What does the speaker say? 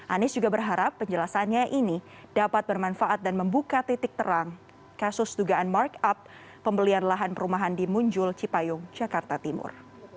anies juga berharap penjelasannya ini dapat bermanfaat dan membuka titik terang kasus dugaan markup pembelian lahan perumahan di munjul cipayung jakarta timur